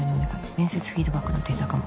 「面接フィードバックのデータ化も。